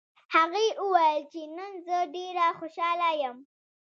هغې وویل چې نن زه ډېره خوشحاله یم